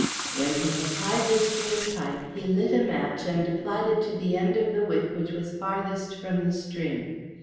When he had tied the string tight he lit a match and applied it to the end of the wick which was farthest from the string.